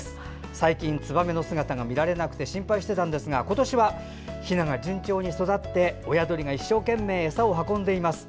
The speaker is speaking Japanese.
最近、つばめの姿が見られなくて心配していたんですが今年はひなが順調に育って親鳥が一生懸命餌を運んでいます。